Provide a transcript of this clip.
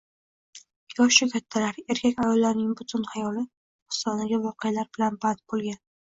Yoshu kattalar, erkak-ayollarning butun xayoli dostondagi voqealar bilan band bo'lgan